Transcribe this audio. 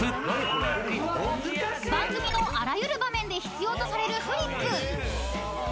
［番組のあらゆる場面で必要とされるフリップ］